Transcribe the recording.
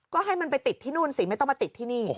ก็ให้มันไปติดที่นู่นสิไม่ต้องมาติดที่นี่